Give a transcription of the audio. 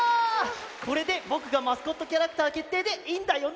これでぼくがマスコットキャラクターけっていでいいんだよね？